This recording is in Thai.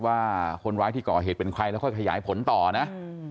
ว่าคนร้ายที่ก่อเหตุเป็นใครแล้วค่อยขยายผลต่อนะ